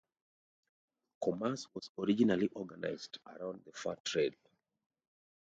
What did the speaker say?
Commerce was originally organized around the fur trade.